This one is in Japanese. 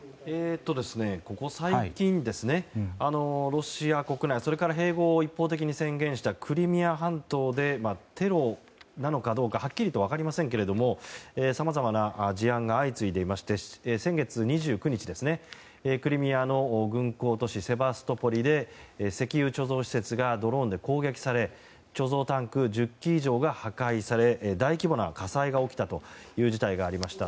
ここ最近、ロシア国内それから併合を一方的に宣言したクリミア半島でテロなのかどうかはっきりとは分かりませんけどさまざまな事案が相次いでいまして先月２９日、クリミアの軍港都市セバストポリで石油貯蔵施設がドローンで攻撃され貯蔵タンク１０基以上が破壊され大規模な火災が起きたという事態がありました。